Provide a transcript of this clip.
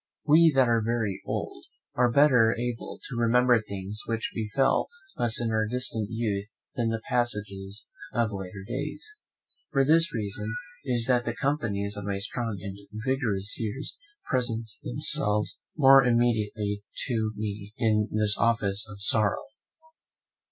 We, that are very old, are better able to remember things which befell us in our distant youth than the passages of later days. For this reason it is that the companions of my strong and vigorous years present themselves more immediately to me in this office of sorrow.